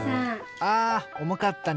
あおもかったね。